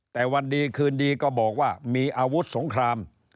แต่วันดีคืนดีก็บอกว่ามีอาวุธสงคราม